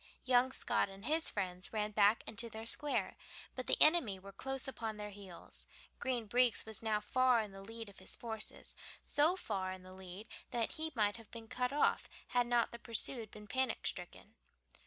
Young Scott and his friends ran back into their square, but the enemy were close upon their heels. Green Breeks was now far in the lead of his forces, so far in the lead that he might have been cut off had not the pursued been panic stricken.